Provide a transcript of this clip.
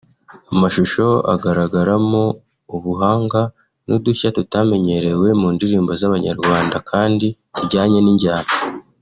amashusho agaragaramo ubuhanga n’udushya tutamenyerewe mu ndirimbo z’abanyarwanda kandi tujyanye n’injyana